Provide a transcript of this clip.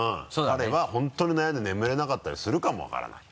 彼は本当に悩んで眠れなかったりするかも分からない。